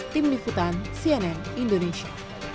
tim nikutan cnn indonesia